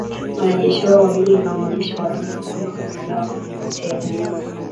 wanajeshi hao wawili ni wanajeshi wa Rwanda na kwamba kamanda wao ni Luteni